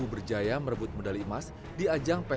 saya harus menahan sakit setiap muntul